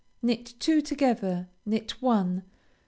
Knit two together. Knit one.